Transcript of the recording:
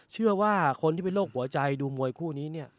เชื่อว่าคนที่เป็นโรคหัวใจดูมวยคู่นี้เนี่ย